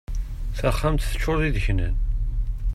Taxxamt teččur d ideknan.